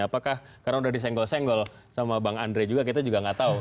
apakah karena sudah disenggol senggol sama bang andre juga kita juga nggak tahu